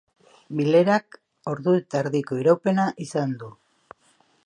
Bilerak ordu eta erdiko iraupena izan du.